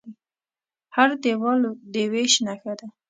هر دیوال د وېش نښه ده.